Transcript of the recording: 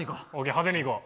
派手にいこう。